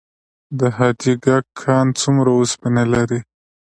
د حاجي ګک کان څومره وسپنه لري؟